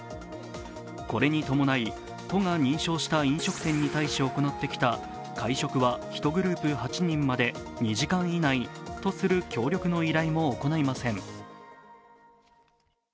これに伴い、都が認証した飲食店に対し行ってきた会食は１グループ８人まで２時間以内とする協力の依頼も行いません。